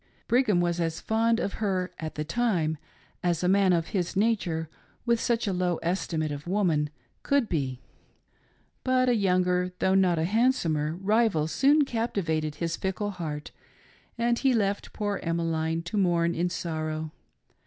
Brigham was as fond of her, at the time, as a man of his nature, with such a low estimate of woman, could be. But a younger, though not a handsomer, rival soon captivated hie fickle heart, and he left poor Emmeline to mourn in sorrow.